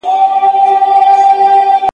بېوزلي یوازي په مالي مرستو نه ختميږي.